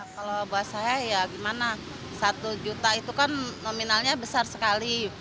kalau buat saya ya gimana satu juta itu kan nominalnya besar sekali